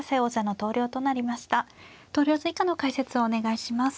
投了図以下の解説をお願いします。